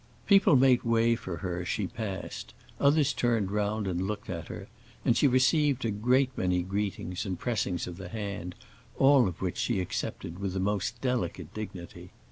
People made way for her as she passed, others turned round and looked at her, and she received a great many greetings and pressings of the hand, all of which she accepted with the most delicate dignity.